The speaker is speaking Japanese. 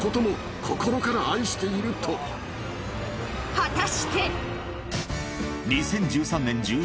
果たして？